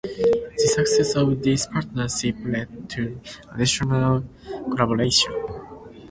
The success of this partnership led to additional collaboration.